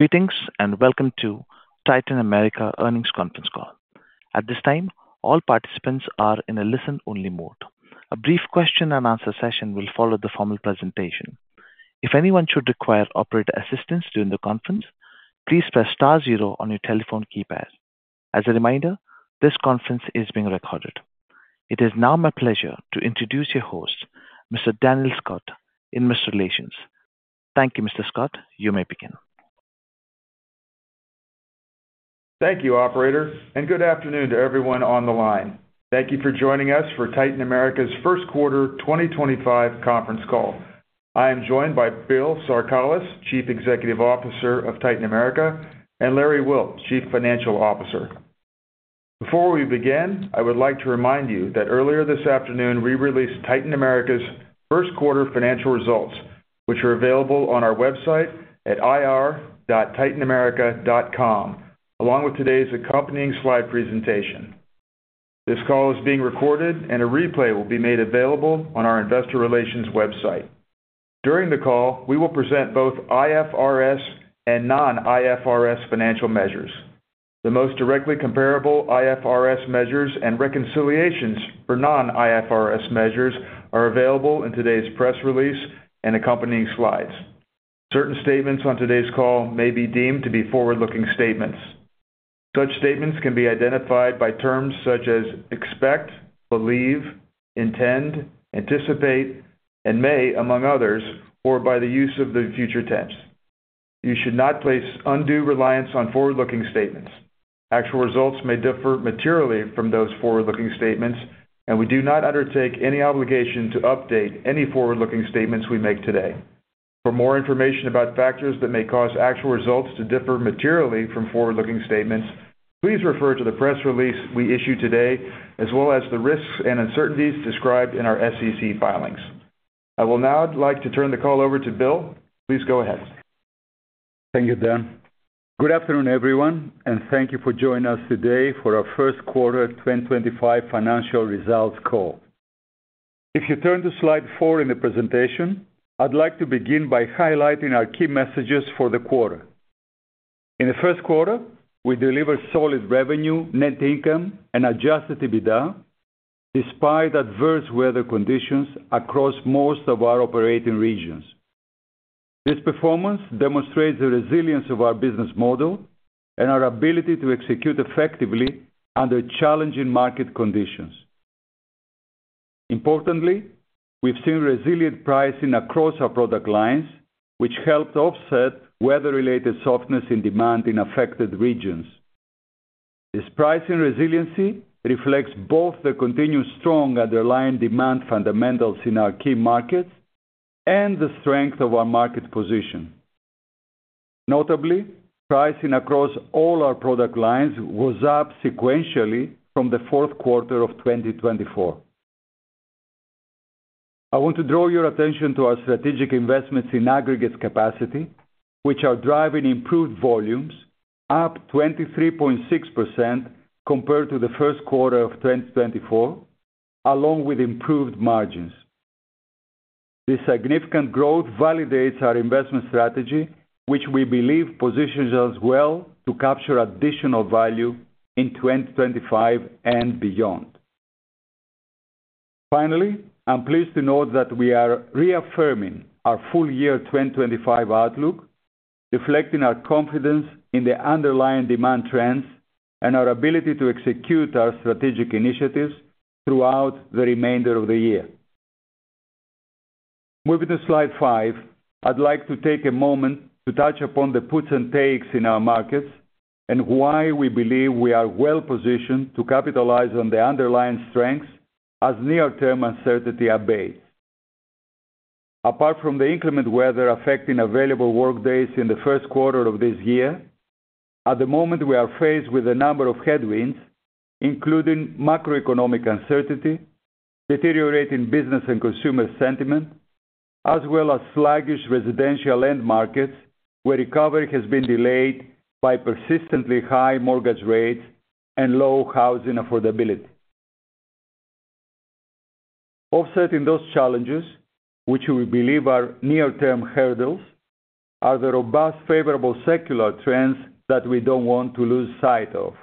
Greetings and welcome to Titan America Earnings Conference Call. At this time, all participants are in a listen-only mode. A brief question-and-answer session will follow the formal presentation. If anyone should require operator assistance during the conference, please press star zero on your telephone keypad. As a reminder, this conference is being recorded. It is now my pleasure to introduce your host, Mr. Daniel Scott, in Investor Relations. Thank you, Mr. Scott. You may begin. Thank you, Operator, and good afternoon to everyone on the line. Thank you for joining us for Titan America's Q1 2025 conference call. I am joined by Bill Zarkalis, Chief Executive Officer of Titan America, and Larry Wilt, Chief Financial Officer. Before we begin, I would like to remind you that earlier this afternoon we released Titan America's Q1 financial results, which are available on our website at ir.titanamerica.com, along with today's accompanying slide presentation. This call is being recorded, and a replay will be made available on our investor relations website. During the call, we will present both IFRS and non-IFRS financial measures. The most directly comparable IFRS measures and reconciliations for non-IFRS measures are available in today's press release and accompanying slides. Certain statements on today's call may be deemed to be forward-looking statements. Such statements can be identified by terms such as expect, believe, intend, anticipate, and may, among others, or by the use of the future tense. You should not place undue reliance on forward-looking statements. Actual results may differ materially from those forward-looking statements, and we do not undertake any obligation to update any forward-looking statements we make today. For more information about factors that may cause actual results to differ materially from forward-looking statements, please refer to the press release we issue today, as well as the risks and uncertainties described in our SEC filings. I will now like to turn the call over to Bill. Please go ahead. Thank you, Dan. Good afternoon, everyone, and thank you for joining us today for our Q1 2025 financial results call. If you turn to slide four in the presentation, I'd like to begin by highlighting our key messages for the quarter. In the Q1, we delivered solid revenue, net income, and adjusted EBITDA despite adverse weather conditions across most of our operating regions. This performance demonstrates the resilience of our business model and our ability to execute effectively under challenging market conditions. Importantly, we've seen resilient pricing across our product lines, which helped offset weather-related softness in demand in affected regions. This pricing resiliency reflects both the continued strong underlying demand fundamentals in our key markets and the strength of our market position. Notably, pricing across all our product lines was up sequentially from the Q4 of 2024. I want to draw your attention to our strategic investments in aggregate capacity, which are driving improved volumes, up 23.6% compared to the Q1 of 2024, along with improved margins. This significant growth validates our investment strategy, which we believe positions us well to capture additional value in 2025 and beyond. Finally, I'm pleased to note that we are reaffirming our full year 2025 outlook, reflecting our confidence in the underlying demand trends and our ability to execute our strategic initiatives throughout the remainder of the year. Moving to slide five, I'd like to take a moment to touch upon the puts and takes in our markets and why we believe we are well positioned to capitalize on the underlying strengths as near-term uncertainty abates. Apart from the inclement weather affecting available workdays in the Q1 of this year, at the moment we are faced with a number of headwinds, including macroeconomic uncertainty, deteriorating business and consumer sentiment, as well as sluggish residential end markets where recovery has been delayed by persistently high mortgage rates and low housing affordability. Offsetting those challenges, which we believe are near-term hurdles, are the robust favorable secular trends that we do not want to lose sight of.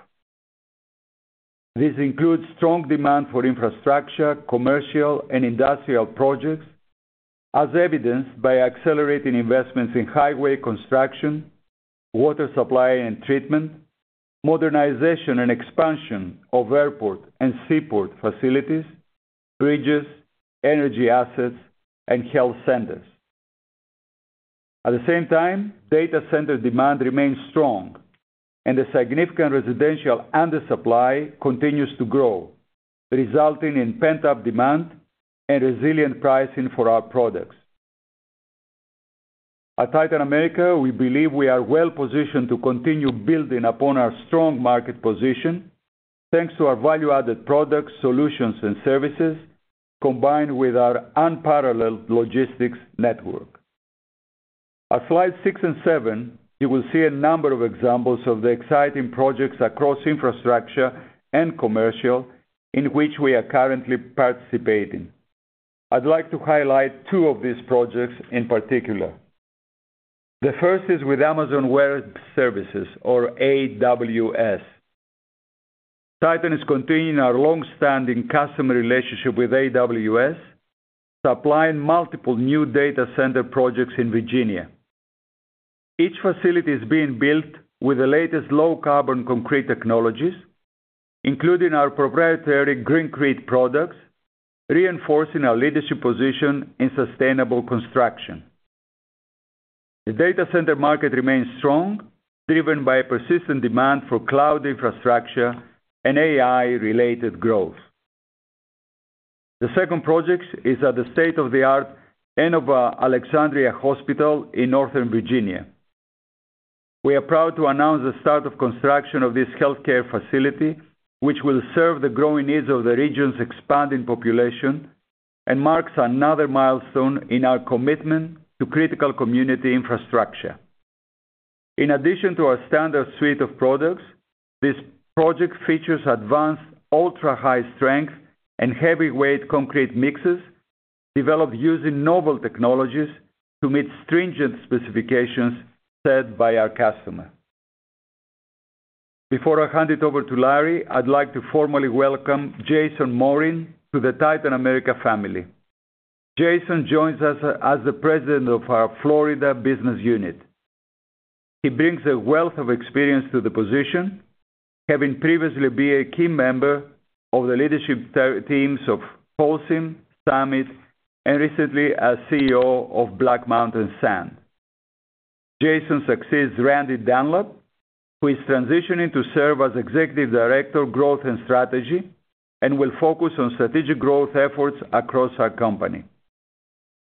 This includes strong demand for infrastructure, commercial, and industrial projects, as evidenced by accelerating investments in highway construction, water supply and treatment, modernization and expansion of airport and seaport facilities, bridges, energy assets, and health centers. At the same time, data center demand remains strong, and the significant residential undersupply continues to grow, resulting in pent-up demand and resilient pricing for our products. At Titan America, we believe we are well positioned to continue building upon our strong market position thanks to our value-added products, solutions, and services, combined with our unparalleled logistics network. At slides six and seven, you will see a number of examples of the exciting projects across infrastructure and commercial in which we are currently participating. I'd like to highlight two of these projects in particular. The first is with Amazon Web Services, or AWS. Titan is continuing our long-standing customer relationship with AWS, supplying multiple new data center projects in Virginia. Each facility is being built with the latest low-carbon concrete technologies, including our proprietary GreenCrete products, reinforcing our leadership position in sustainable construction. The data center market remains strong, driven by persistent demand for cloud infrastructure and AI-related growth. The second project is at the state-of-the-art Inova Alexandria Hospital in Northern Virginia. We are proud to announce the start of construction of this healthcare facility, which will serve the growing needs of the region's expanding population and marks another milestone in our commitment to critical community infrastructure. In addition to our standard suite of products, this project features advanced ultra-high-strength and heavyweight concrete mixes developed using novel technologies to meet stringent specifications set by our customer. Before I hand it over to Larry, I'd like to formally welcome Jason Morin to the Titan America family. Jason joins us as the President of our Florida business unit. He brings a wealth of experience to the position, having previously been a key member of the leadership teams of Holcim, Summit Materials, and recently as CEO of Black Mountain Sand. Jason succeeds Randy Dunlap, who is transitioning to serve as Executive Director, Growth and Strategy, and will focus on strategic growth efforts across our company.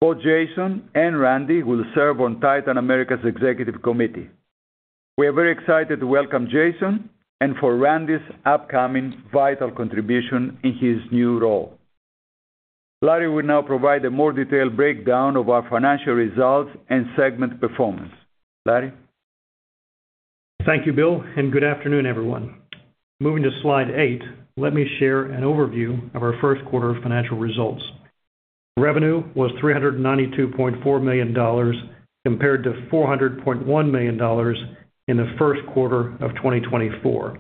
Both Jason and Randy will serve on Titan America's executive committee. We are very excited to welcome Jason and for Randy's upcoming vital contribution in his new role. Larry will now provide a more detailed breakdown of our financial results and segment performance. Larry. Thank you, Bill, and good afternoon, everyone. Moving to slide eight, let me share an overview of our Q1 financial results. Revenue was $392.4 million compared to $400.1 million in the Q1 of 2024.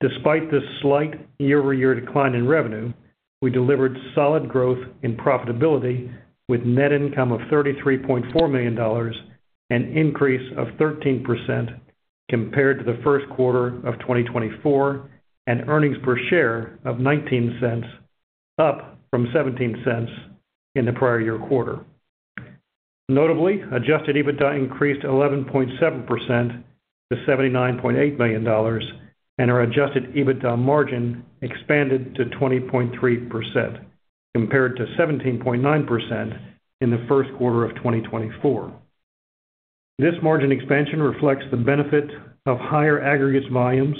Despite this slight year-over-year decline in revenue, we delivered solid growth in profitability with net income of $33.4 million and an increase of 13% compared to the Q1 of 2024 and earnings per share of $0.19, up from $0.17 in the prior year quarter. Notably, adjusted EBITDA increased 11.7% to $79.8 million, and our adjusted EBITDA margin expanded to 20.3% compared to 17.9% in the Q1 of 2024. This margin expansion reflects the benefit of higher aggregate volumes,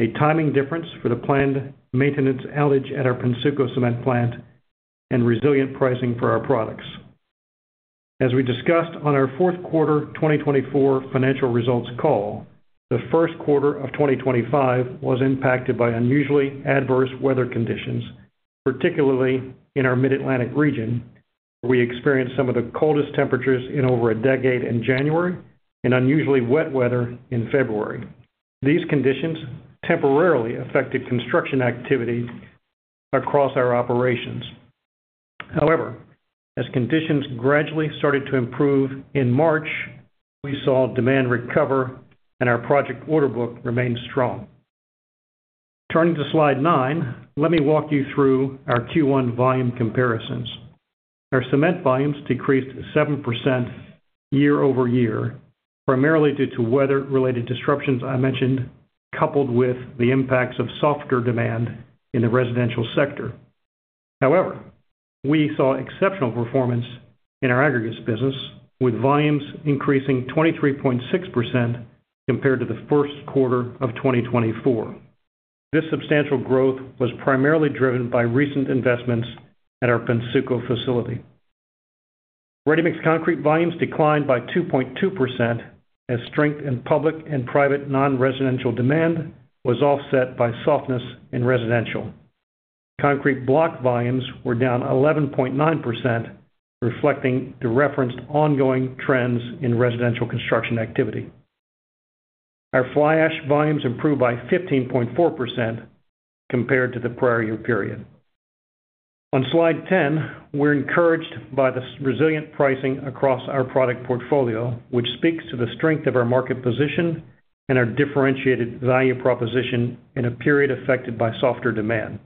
a timing difference for the planned maintenance outage at our Pennsuco cement plant, and resilient pricing for our products. As we discussed on our Q4 2024 financial results call, the Q1 of 2025 was impacted by unusually adverse weather conditions, particularly in our Mid-Atlantic region, where we experienced some of the coldest temperatures in over a decade in January and unusually wet weather in February. These conditions temporarily affected construction activity across our operations. However, as conditions gradually started to improve in March, we saw demand recover, and our project order book remained strong. Turning to slide nine, let me walk you through our Q1 volume comparisons. Our cement volumes decreased 7% year-over-year, primarily due to weather-related disruptions I mentioned, coupled with the impacts of softer demand in the residential sector. However, we saw exceptional performance in our aggregates business, with volumes increasing 23.6% compared to the Q1 of 2024. This substantial growth was primarily driven by recent investments at our Pennsuco facility. Ready-mix concrete volumes declined by 2.2% as strength in public and private non-residential demand was offset by softness in residential. Concrete block volumes were down 11.9%, reflecting the referenced ongoing trends in residential construction activity. Our fly ash volumes improved by 15.4% compared to the prior year period. On slide 10, we're encouraged by the resilient pricing across our product portfolio, which speaks to the strength of our market position and our differentiated value proposition in a period affected by softer demand.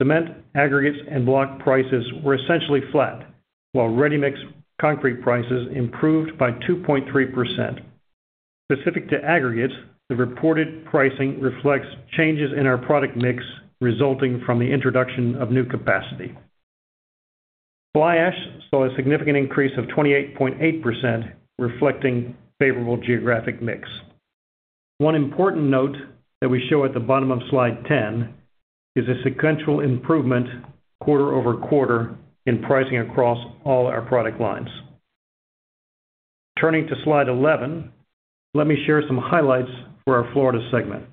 Cement, aggregates, and block prices were essentially flat, while ready-mix concrete prices improved by 2.3%. Specific to aggregates, the reported pricing reflects changes in our product mix resulting from the introduction of new capacity. Fly ash saw a significant increase of 28.8%, reflecting favorable geographic mix. One important note that we show at the bottom of slide 10 is a sequential improvement quarter-over-quarter in pricing across all our product lines. Turning to slide 11, let me share some highlights for our Florida segment.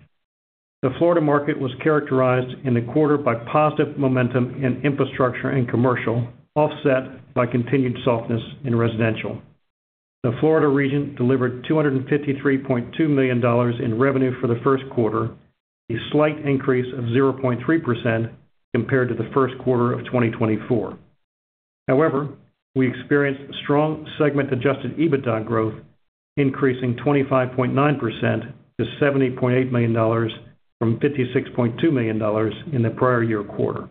The Florida market was characterized in the quarter by positive momentum in infrastructure and commercial, offset by continued softness in residential. The Florida region delivered $253.2 million in revenue for the Q1, a slight increase of 0.3% compared to the Q1 of 2024. However, we experienced strong segment-adjusted EBITDA growth, increasing 25.9% to $70.8 million from $56.2 million in the prior year quarter.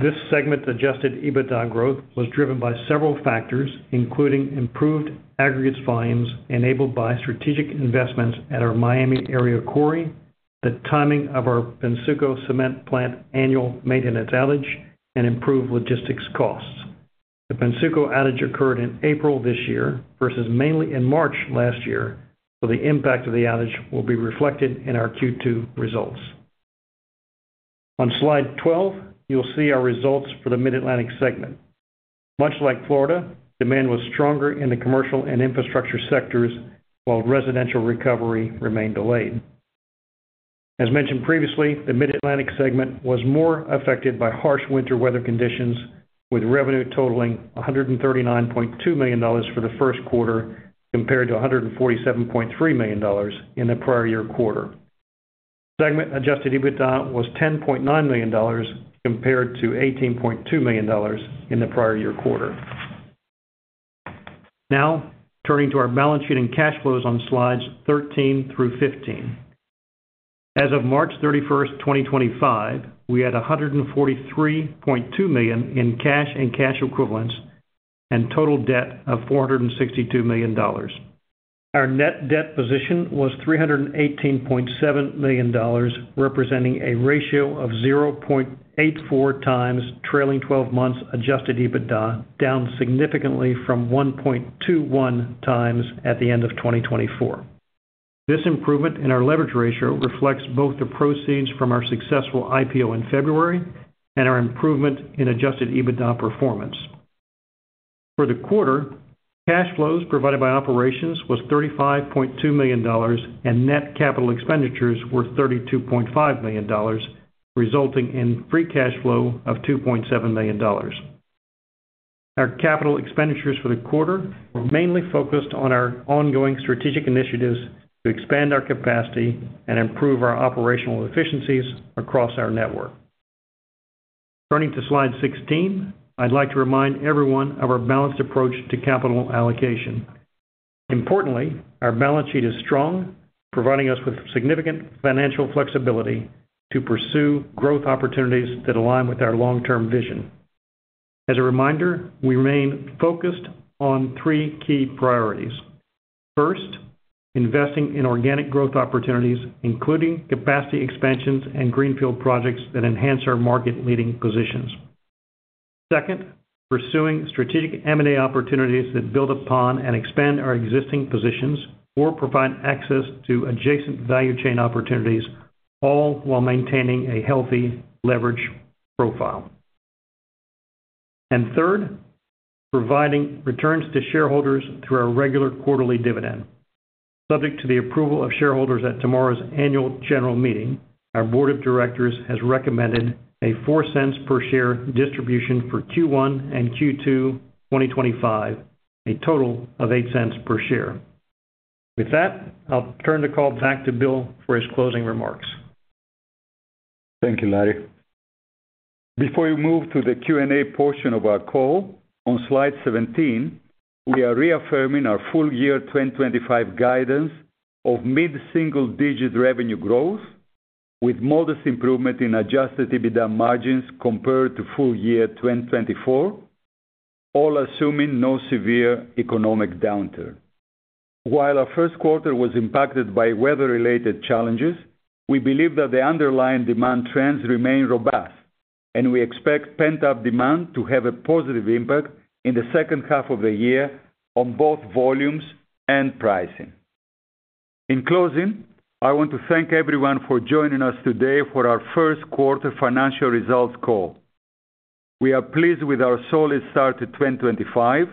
This segment-adjusted EBITDA growth was driven by several factors, including improved aggregate volumes enabled by strategic investments at our Miami area quarry, the timing of our Pennsuco cement plant annual maintenance outage, and improved logistics costs. The Pennsuco outage occurred in April this year versus mainly in March last year, so the impact of the outage will be reflected in our Q2 results. On slide 12, you'll see our results for the Mid-Atlantic segment. Much like Florida, demand was stronger in the commercial and infrastructure sectors while residential recovery remained delayed. As mentioned previously, the Mid-Atlantic segment was more affected by harsh winter weather conditions, with revenue totaling $139.2 million for the Q1 compared to $147.3 million in the prior year quarter. Segment-adjusted EBITDA was $10.9 million compared to $18.2 million in the prior year quarter. Now, turning to our balance sheet and cash flows on slides 13 through 15. As of 31 March 2025, we had $143.2 million in cash and cash equivalents and total debt of $462 million. Our net debt position was $318.7 million, representing a ratio of 0.84x trailing 12 months adjusted EBITDA, down significantly from 1.21x at the end of 2024. This improvement in our leverage ratio reflects both the proceeds from our successful IPO in February and our improvement in adjusted EBITDA performance. For the quarter, cash flows provided by operations were $35.2 million, and net capital expenditures were $32.5 million, resulting in free cash flow of $2.7 million. Our capital expenditures for the quarter were mainly focused on our ongoing strategic initiatives to expand our capacity and improve our operational efficiencies across our network. Turning to slide 16, I'd like to remind everyone of our balanced approach to capital allocation. Importantly, our balance sheet is strong, providing us with significant financial flexibility to pursue growth opportunities that align with our long-term vision. As a reminder, we remain focused on three key priorities. First, investing in organic growth opportunities, including capacity expansions and greenfield projects that enhance our market-leading positions. Second, pursuing strategic M&A opportunities that build upon and expand our existing positions or provide access to adjacent value chain opportunities, all while maintaining a healthy leverage profile. Third, providing returns to shareholders through our regular quarterly dividend. Subject to the approval of shareholders at tomorrow's annual general meeting, our board of directors has recommended a $0.04 per share distribution for Q1 and Q2 2025, a total of $0.08 per share. With that, I'll turn the call back to Bill for his closing remarks. Thank you, Larry. Before we move to the Q&A portion of our call, on slide 17, we are reaffirming our full year 2025 guidance of mid-single-digit revenue growth, with modest improvement in adjusted EBITDA margins compared to full year 2024, all assuming no severe economic downturn. While our Q1 was impacted by weather-related challenges, we believe that the underlying demand trends remain robust, and we expect pent-up demand to have a positive impact in the H2 of the year on both volumes and pricing. In closing, I want to thank everyone for joining us today for our Q1 financial results call. We are pleased with our solid start to 2025,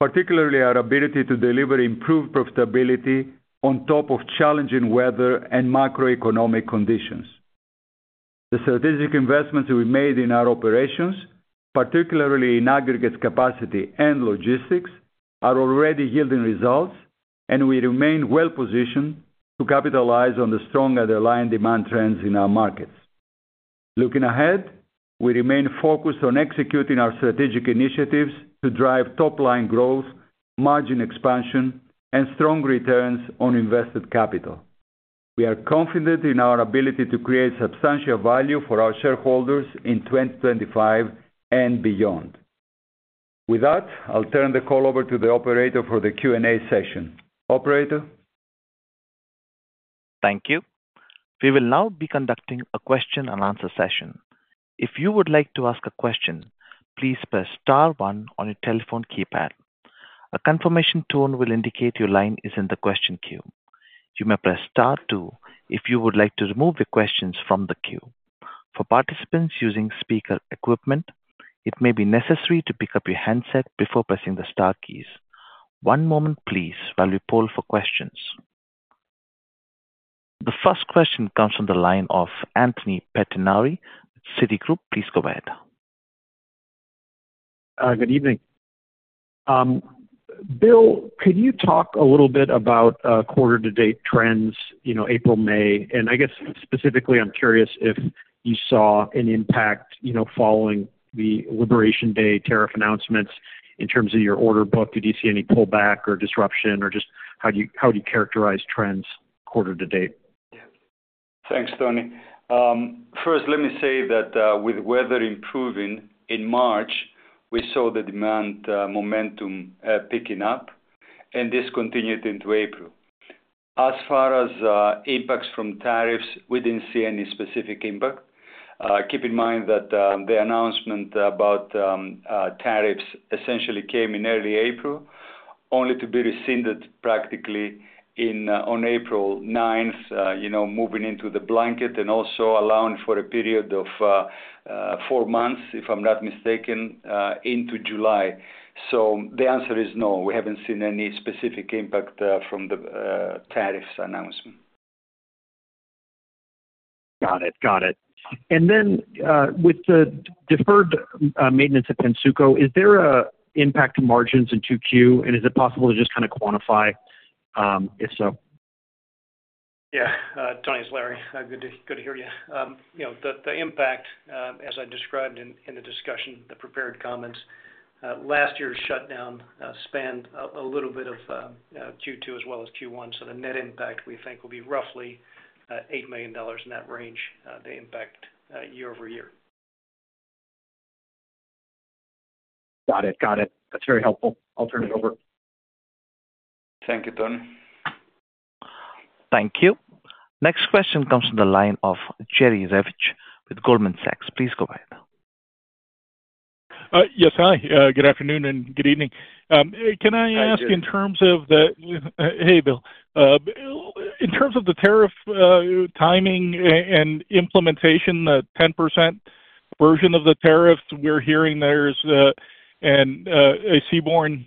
particularly our ability to deliver improved profitability on top of challenging weather and macroeconomic conditions. The strategic investments we made in our operations, particularly in aggregate capacity and logistics, are already yielding results, and we remain well-positioned to capitalize on the strong underlying demand trends in our markets. Looking ahead, we remain focused on executing our strategic initiatives to drive top-line growth, margin expansion, and strong returns on invested capital. We are confident in our ability to create substantial value for our shareholders in 2025 and beyond. With that, I'll turn the call over to the operator for the Q&A session. Operator. Thank you. We will now be conducting a question-and-answer session. If you would like to ask a question, please press star one on your telephone keypad. A confirmation tone will indicate your line is in the question queue. You may press star two if you would like to remove your questions from the queue. For participants using speaker equipment, it may be necessary to pick up your handset before pressing the star keys. One moment, please, while we poll for questions. The first question comes from the line of Anthony Pettinari, Citigroup. Please go ahead. Good evening. Bill, could you talk a little bit about quarter-to-date trends, April, May? I guess specifically, I'm curious if you saw an impact following the Liberation Day tariff announcements in terms of your order book? Did you see any pullback or disruption? How do you characterize trends quarter-to-date? Thanks, Tony. First, let me say that with weather improving in March, we saw the demand momentum picking up, and this continued into April. As far as impacts from tariffs, we did not see any specific impact. Keep in mind that the announcement about tariffs essentially came in early April, only to be rescinded practically on 9 April 2025, moving into the blanket and also allowing for a period of four months, if I am not mistaken, into July. The answer is no. We have not seen any specific impact from the tariffs announcement. Got it. Got it. With the deferred maintenance at Pennsuco, is there an impact to margins in Q2? Is it possible to just kind of quantify if so? Yeah. Tony. Its Larry, good to hear you. The impact, as I described in the discussion, the prepared comments, last year's shutdown spanned a little bit of Q2 as well as Q1. The net impact we think will be roughly $8 million in that range to impact year-over-year. Got it. Got it. That's very helpful. I'll turn it over. Thank you, Tony. Thank you. Next question comes from the line of Jerry Revich with Goldman Sachs. Please go ahead. Yes, hi. Good afternoon and good evening. Can I ask in terms of the—hey, Bill—in terms of the tariff timing and implementation, the 10% version of the tariffs, we're hearing there's a seaborne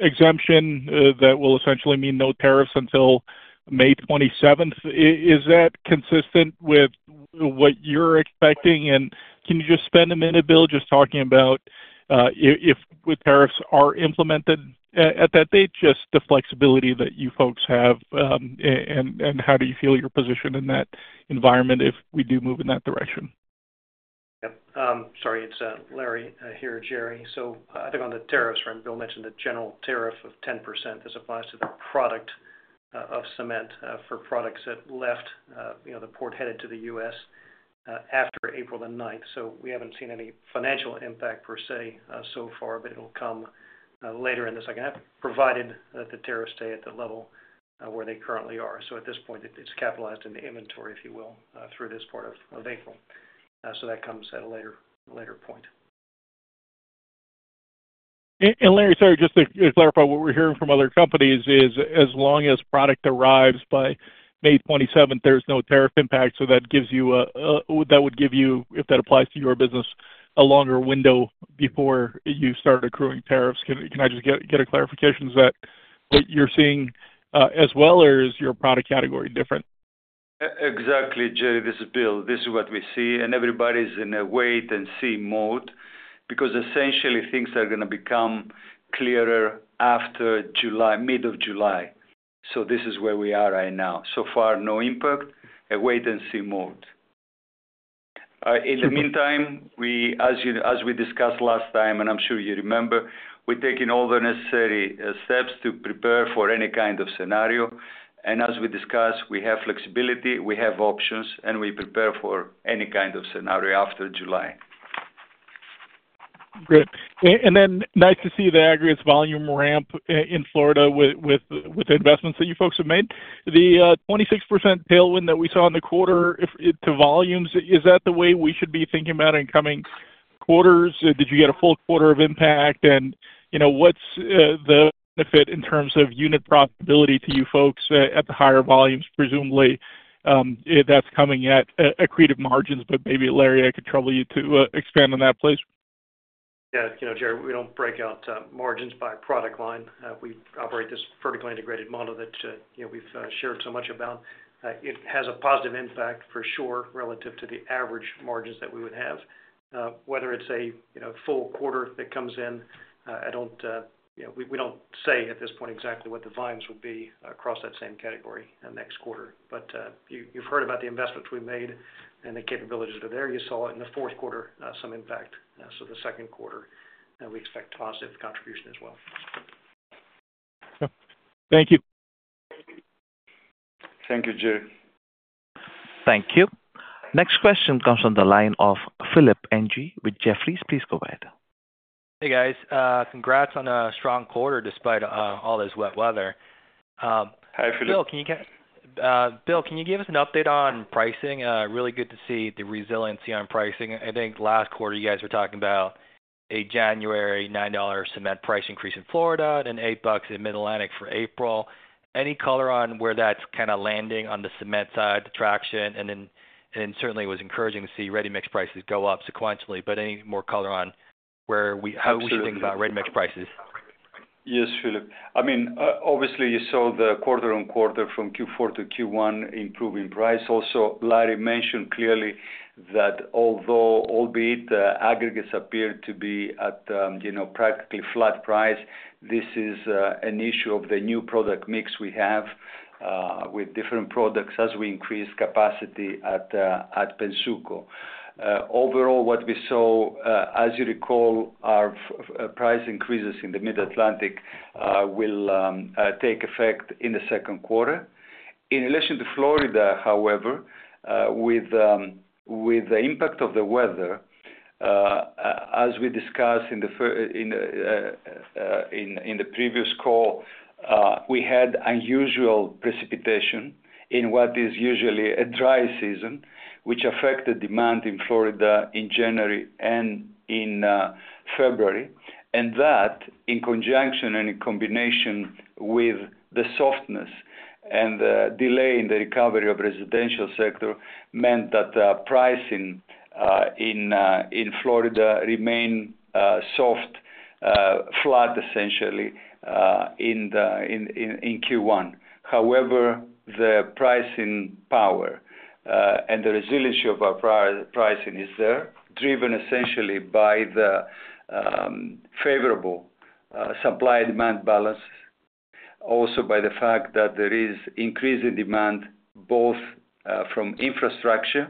exemption that will essentially mean no tariffs until 27 May 2025. Is that consistent with what you're expecting? Can you just spend a minute, Bill, just talking about if tariffs are implemented at that date, just the flexibility that you folks have, and how do you feel your position in that environment if we do move in that direction? Yep. Sorry, it's Larry here, Jerry. I think on the tariffs front, Bill mentioned the general tariff of 10%. This applies to the product of cement for products that left the port headed to the US after April the 9th. We haven't seen any financial impact per se so far, but it'll come later in the H2, provided that the tariffs stay at the level where they currently are. At this point, it's capitalized in the inventory, if you will, through this part of April. That comes at a later point. Larry, sorry, just to clarify what we're hearing from other companies is as long as product arrives by 27 May 2025, there's no tariff impact. That gives you—that would give you, if that applies to your business, a longer window before you start accruing tariffs. Can I just get a clarification? Is that what you're seeing as well, or is your product category different? Exactly, Jerry. This is Bill. This is what we see. Everybody's in a wait-and-see mode because essentially things are going to become clearer after mid-July. This is where we are right now. So far, no impact, a wait-and-see mode. In the meantime, as we discussed last time, and I'm sure you remember, we're taking all the necessary steps to prepare for any kind of scenario. As we discussed, we have flexibility, we have options, and we prepare for any kind of scenario after July. Good. Nice to see the aggregate volume ramp in Florida with the investments that you folks have made. The 26% tailwind that we saw in the quarter to volumes, is that the way we should be thinking about it in coming quarters? Did you get a full quarter of impact? What's the benefit in terms of unit profitability to you folks at the higher volumes, presumably, that's coming at accretive margins? Maybe, Larry, I could trouble you to expand on that, please. Yeah. Jerry, we don't break out margins by product line. We operate this vertically integrated model that we've shared so much about. It has a positive impact for sure relative to the average margins that we would have. Whether it's a full quarter that comes in, we don't say at this point exactly what the volumes will be across that same category next quarter. You have heard about the investments we've made and the capabilities that are there. You saw it in the Q4, some impact. The Q2, we expect positive contribution as well. Thank you. Thank you, Jerry. Thank you. Next question comes from the line of Philip Ng with Jefferies. Please go ahead. Hey, guys. Congrats on a strong quarter despite all this wet weather. Hi, Philip. Bill, can you give us an update on pricing? Really good to see the resiliency on pricing. I think last quarter, you guys were talking about a January $9 cement price increase in Florida and $8 in Mid-Atlantic for April. Any color on where that's kind of landing on the cement side, the traction? It was encouraging to see ready-mix prices go up sequentially. Any more color on how we should think about ready-mix prices? Yes, Philip. I mean, obviously, you saw the quarter-on-quarter from Q4 to Q1 improving price. Also, Larry mentioned clearly that although, albeit, aggregates appear to be at practically flat price, this is an issue of the new product mix we have with different products as we increase capacity at Pennsuco. Overall, what we saw, as you recall, our price increases in the Mid-Atlantic will take effect in the Q2. In relation to Florida, however, with the impact of the weather, as we discussed in the previous call, we had unusual precipitation in what is usually a dry season, which affected demand in Florida in January and in February. That, in conjunction and in combination with the softness and the delay in the recovery of the residential sector, meant that pricing in Florida remained soft, flat essentially in Q1. However, the pricing power and the resiliency of our pricing is there, driven essentially by the favorable supply-demand balance, also by the fact that there is increasing demand both from infrastructure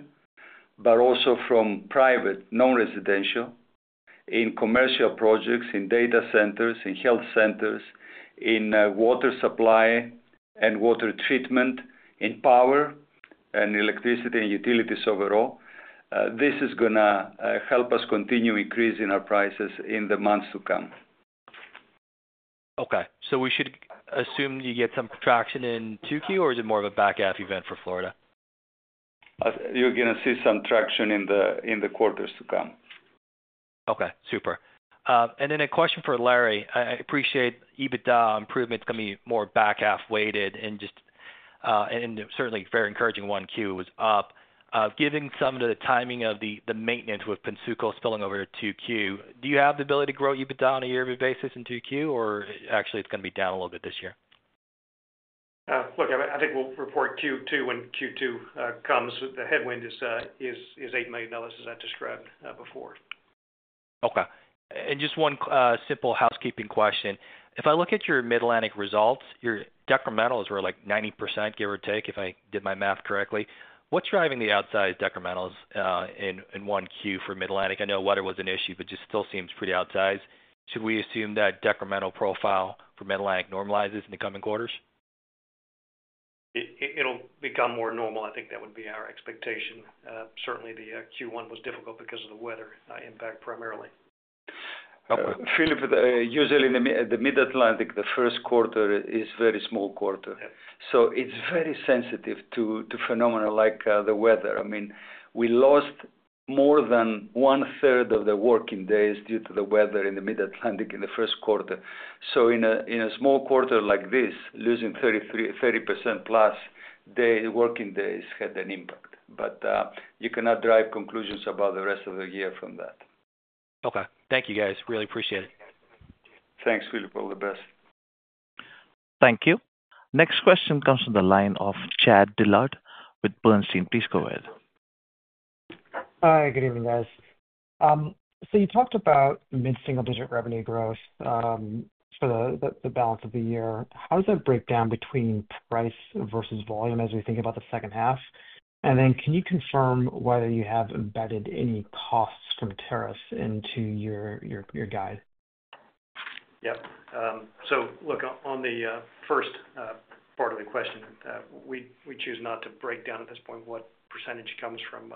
but also from private, non-residential, in commercial projects, in data centers, in health centers, in water supply and water treatment, in power and electricity and utilities overall. This is going to help us continue increasing our prices in the months to come. Okay. So we should assume you get some traction in Q2, or is it more of a back-half event for Florida? You're going to see some traction in the quarters to come. Okay. Super. A question for Larry. I appreciate EBITDA improvement is going to be more back-half weighted and just certainly very encouraging when Q2 was up. Given some of the timing of the maintenance with Pennsuco spilling over Q2, do you have the ability to grow EBITDA on a yearly basis in Q2, or actually, it's going to be down a little bit this year? Look, I think we'll report Q2 when Q2 comes. The headwind is $8 million, as I described before. Okay. Just one simple housekeeping question. If I look at your Mid-Atlantic results, your decremental were like 90%, give or take, if I did my math correctly. What's driving the outsized decremental in one Q for Mid-Atlantic? I know weather was an issue, but it still seems pretty outsized. Should we assume that decremental profile for Mid-Atlantic normalizes in the coming quarters? It'll become more normal. I think that would be our expectation. Certainly, the Q1 was difficult because of the weather impact primarily. Philip, usually in the Mid-Atlantic, the Q1 is a very small quarter. It is very sensitive to phenomena like the weather. I mean, we lost more than 1/3 of the working days due to the weather in the Mid-Atlantic in the Q1. In a small quarter like this, losing 30%+ working days had an impact. You cannot drive conclusions about the rest of the year from that. Okay. Thank you, guys. Really appreciate it. Thanks, Philip. All the best. Thank you. Next question comes from the line of Chad Dillard with Bernstein. Please go ahead. Hi. Good evening, guys. You talked about mid-single-digit revenue growth for the balance of the year. How does that break down between price versus volume as we think about the H2? Can you confirm whether you have embedded any costs from tariffs into your guide? Yep. Look, on the first part of the question, we choose not to break down at this point what percentage comes from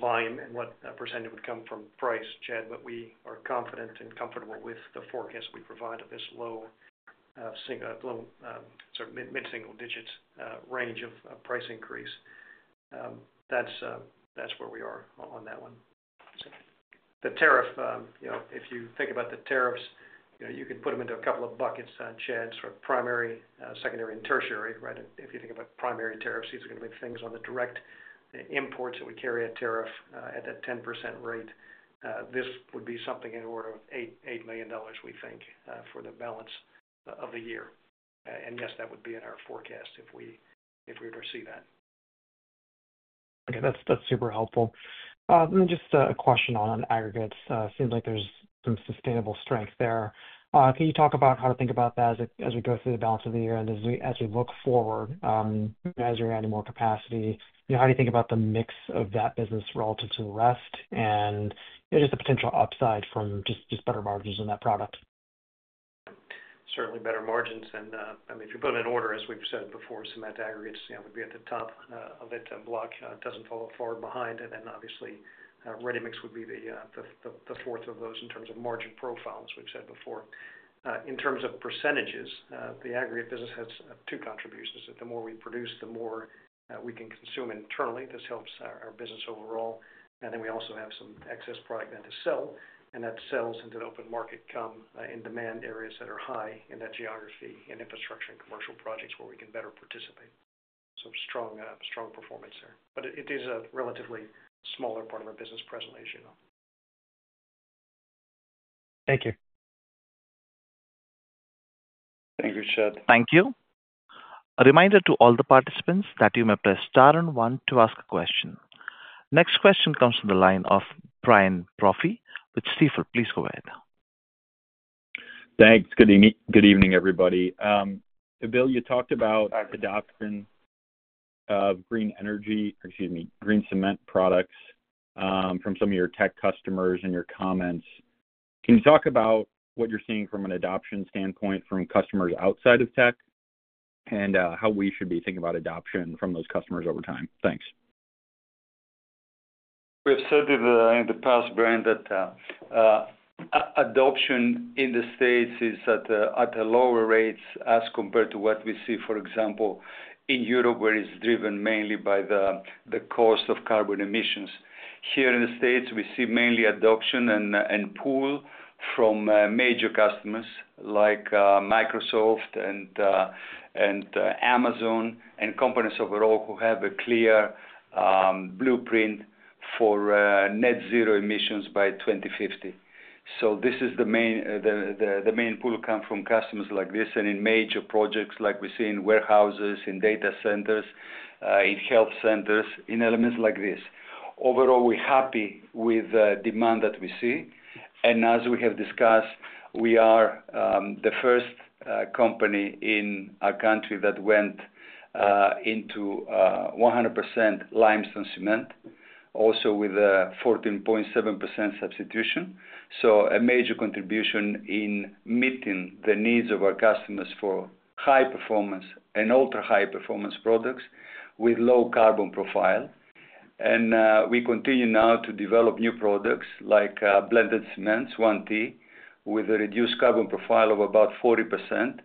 volume and what percentage would come from price, Chad. We are confident and comfortable with the forecast we provide of this low—sorry, mid-single-digit range of price increase. That's where we are on that one. The tariff, if you think about the tariffs, you can put them into a couple of buckets, Chad: primary, secondary, and tertiary. Right? If you think about primary tariffs, these are going to be things on the direct imports that we carry at tariff at that 10% rate. This would be something in the order of $8 million, we think, for the balance of the year. Yes, that would be in our forecast if we were to see that. Okay. That's super helpful. Just a question on aggregates. It seems like there's some sustainable strength there. Can you talk about how to think about that as we go through the balance of the year and as we look forward, as you're adding more capacity? How do you think about the mix of that business relative to the rest and just the potential upside from just better margins in that product? Certainly, better margins. I mean, if you put it in order, as we've said before, cement aggregates would be at the top of that block. It doesn't fall far behind. Obviously, ready-mix would be the fourth of those in terms of margin profile, as we've said before. In terms of percentages, the aggregate business has two contributions. The more we produce, the more we can consume internally. This helps our business overall. We also have some excess product then to sell. That sells into the open market, come in demand areas that are high in that geography and infrastructure and commercial projects where we can better participate. Strong performance there. It is a relatively smaller part of our business presently, as you know. Thank you. Thank you, Chad. Thank you. A reminder to all the participants that you may press star and one to ask a question. Next question comes from the line of Brian Brophy with Stifel. Please go ahead. Thanks. Good evening, everybody. Bill, you talked about adoption of green energy, excuse me, green cement products from some of your tech customers and your comments. Can you talk about what you're seeing from an adoption standpoint from customers outside of tech and how we should be thinking about adoption from those customers over time? Thanks. We have said in the past, Brian, that adoption in the States is at a lower rate as compared to what we see, for example, in Europe, where it's driven mainly by the cost of carbon emissions. Here in the States, we see mainly adoption and pull from major customers like Microsoft and Amazon and companies overall who have a clear blueprint for net-zero emissions by 2050. This is the main pull come from customers like this. In major projects like we see in warehouses, in data centers, in health centers, in elements like this. Overall, we're happy with the demand that we see. As we have discussed, we are the first company in our country that went into 100% limestone cement, also with a 14.7% substitution. A major contribution in meeting the needs of our customers for high-performance and ultra-high-performance products with low carbon profile. We continue now to develop new products like blended cements, 1T, with a reduced carbon profile of about 40%.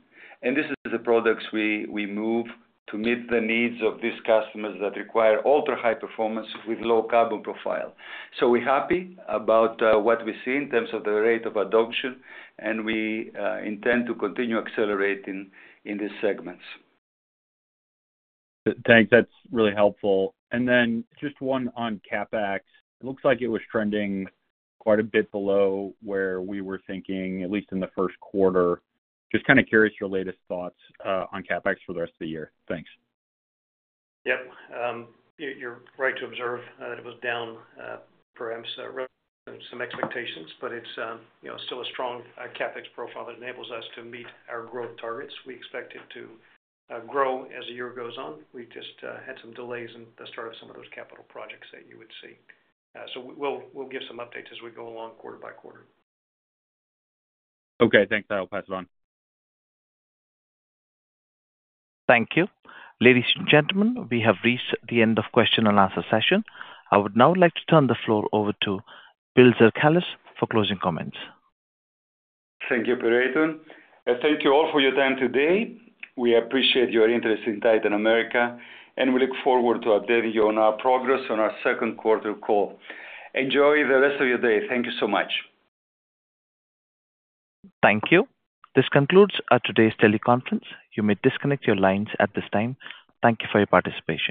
This is the products we move to meet the needs of these customers that require ultra-high performance with low carbon profile. We are happy about what we see in terms of the rate of adoption. We intend to continue accelerating in these segments. Thanks. That's really helpful. Just one on CapEx. It looks like it was trending quite a bit below where we were thinking, at least in the Q1. Just kind of curious your latest thoughts on CapEx for the rest of the year. Thanks. Yep. You're right to observe that it was down perhaps some expectations, but it's still a strong CapEx profile that enables us to meet our growth targets. We expect it to grow as the year goes on. We just had some delays in the start of some of those capital projects that you would see. We'll give some updates as we go along quarter-by-quarter. Okay. Thanks. I'll pass it on. Thank you. Ladies and gentlemen, we have reached the end of the question-and-answer session. I would now like to turn the floor over to Bill Zarkalis for closing comments. Thank you, Operator. Thank you all for your time today. We appreciate your interest in Titan America, and we look forward to updating you on our progress on our Q2 call. Enjoy the rest of your day. Thank you so much. Thank you. This concludes our today's teleconference. You may disconnect your lines at this time. Thank you for your participation.